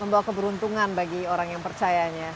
membawa keberuntungan bagi orang yang percayanya